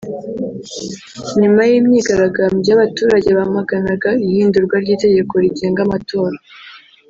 nyuma y’imyigaragambyo y’abaturage bamaganaga ihindurwa ry’Itegeko rigenga amatora